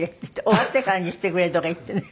終わってからにしてくれとか言ってね